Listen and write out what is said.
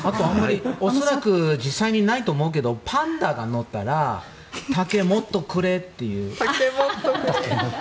恐らく実際にないと思うけどパンダが乗ったら竹もっとくれっていう。